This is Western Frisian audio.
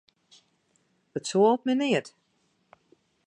It soalt my neat.